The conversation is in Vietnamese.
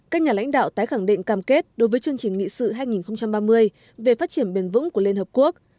các nhà lãnh đạo tái khẳng định cam kết đối với chương trình nghị sự hai nghìn ba mươi về phát triển bền vững của liên hợp quốc